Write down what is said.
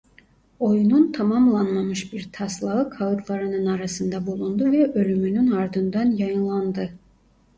Oyunun tamamlanmamış bir taslağı kâğıtlarının arasında bulundu ve ölümünün ardından yayınlandı.